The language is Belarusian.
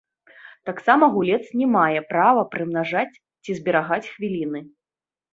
Таксама гулец не мае права прымнажаць ці зберагаць хвіліны.